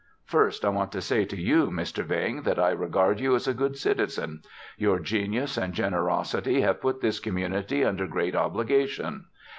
"First, I want to say to you, Mr. Bing, that I regard you as a good citizen. Your genius and generosity have put this community under great obligation.